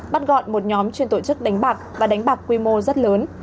bắt gọn một nhóm chuyên tổ chức đánh bạc và đánh bạc quy mô rất lớn